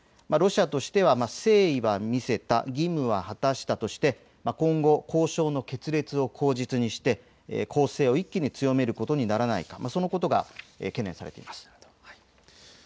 ロシアとしては誠意は見せた、義務は果たしたとして今後、交渉の決裂を口実にして攻勢を一気に強めることにならないか、そのことが懸念されています。